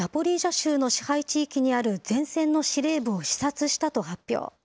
州の支配地域にある前線の司令部を視察したと発表。